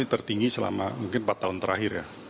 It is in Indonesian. tertinggi selama mungkin empat tahun terakhir ya